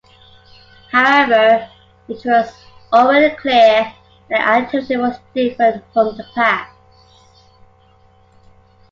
However, it was already clear that the activity was different from the past.